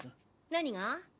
何が？